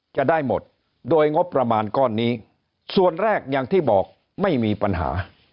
จะได้หมดโดยงบประมาณก้อนนี้ส่วนแรกอย่างที่บอกไม่มีปัญหา